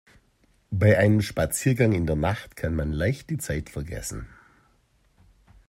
Bei einem Spaziergang in der Nacht kann man leicht die Zeit vergessen.